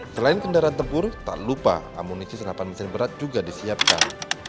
selain kendaraan tempur tak lupa amunisi senapan mesin berat juga disiapkan